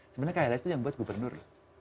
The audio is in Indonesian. sebenarnya krls itu yang buat gubernur